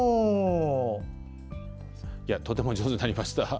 とても上手になりました。